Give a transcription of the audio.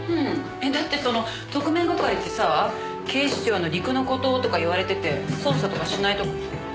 えっだってその特命係ってさ警視庁の陸の孤島とか言われてて捜査とかしないとこ。